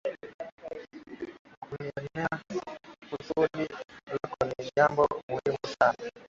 Kulielewa kusudi lako ni jambo muhimu sana.